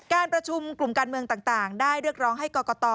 การประชุมกลุ่มการเมืองต่างได้เรียกร้องให้กรกต